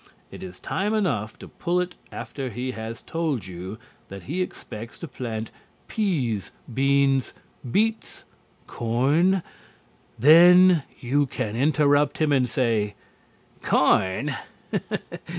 It is time enough to pull it after he has told you that he expects to plant peas, beans, beets, corn. Then you can interrupt him and say: "Corn?"